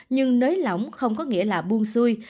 nhưng nới lỏng không có nghĩa là buôn xuôi